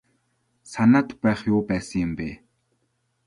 Санаад байх юу байсан юм бэ.